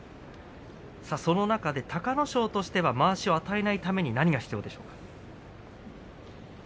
その中で隆の勝としてはまわしを与えないために何が必要でしょうか。